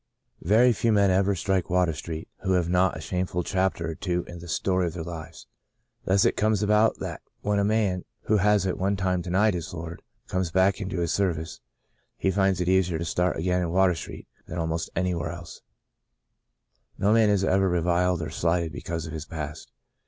Very few men ever strike Water Street, who have not a shame ful chapter or two in the story of their lives. Thus it comes about that when a man, who has at one time denied his Lord, comes back into His service, he finds it easier to start again in Water Street than almost anywhere 171 ijl The Second Spring else. No man is ever reviled or slighted because of his past.